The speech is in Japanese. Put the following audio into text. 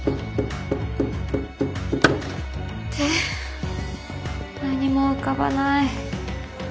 って何も浮かばない。